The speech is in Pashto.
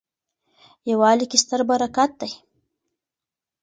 یووالي کي ستر برکت دی.